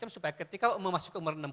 supaya ketika memasuki umur enam puluh